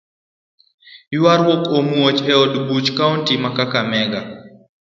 Yuaruok omuoch eod buch Kaunti ma kakamega.